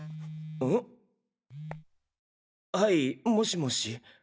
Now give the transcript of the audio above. はいもしもし。